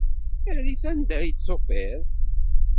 Err-it anda i t-tufiḍ.